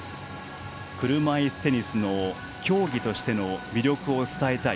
車いすテニスの競技としての魅力を伝えたい。